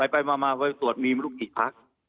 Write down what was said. ไปมาไปตรวจมีมาไม่รู้ชื่อพัก